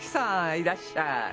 いらっしゃい！